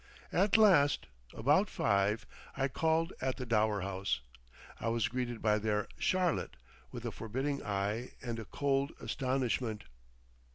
At last, about five, I called at the Dower House. I was greeted by their Charlotte—with a forbidding eye and a cold astonishment.